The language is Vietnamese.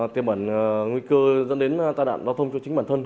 tiềm bẩn nguy cơ dân đến tai đạn giao thông cho chính bản thân